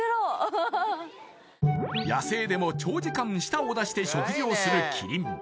野生でも長時間舌を出して食事をするキリン